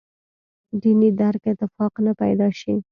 دیني درک اتفاق نه پیدا شي.